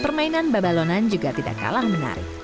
permainan babalonan juga tidak kalah menarik